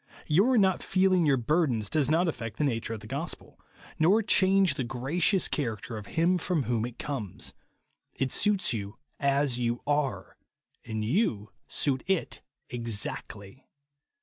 Your not feeling your burdens does not affuct the nature of the gospel, nor change the gra 154f INSENSIBILITY. cious character of Him from whon\ it comes. It suits yon as you are, and yon suit it exactly.